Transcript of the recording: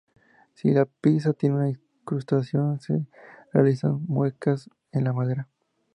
Si la pieza tiene una incrustación, se realizan muescas en la madera.